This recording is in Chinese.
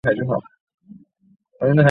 乾隆四十三年。